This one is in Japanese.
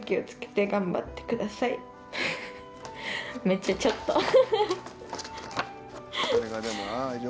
めっちゃちょっとフフフ。